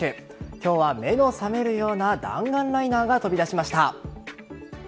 今日は目の覚めるような弾丸ライナーが飛び出しました。